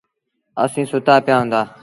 اسيٚݩ سُتآ پيٚآ هوندآ۔